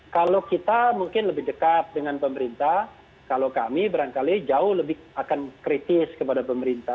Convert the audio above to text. kalau kita mungkin lebih dekat dengan pemerintah kalau kami berangkali jauh lebih akan kritis kepada pemerintah